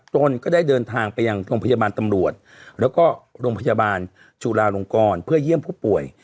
ตนก็ได้เดินทางไปยังโรงพยาบาลตำรวจแล้วก็โรงพยาบาลจุลาลงกรเพื่อเยี่ยมผู้ป่วย